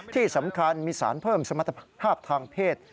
ที่สำคัญมีสารเพิ่มสมรรถภาพทางเพศ